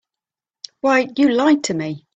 Why, you lied to me.